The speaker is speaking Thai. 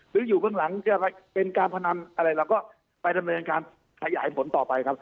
หรืออยู่เบื้องหลังจะเป็นการพนันอะไรเราก็ไปดำเนินการขยายผลต่อไปครับ